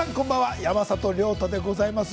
山里亮太でございます。